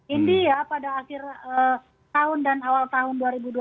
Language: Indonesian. india pada akhir tahun dan awal tahun dua ribu dua puluh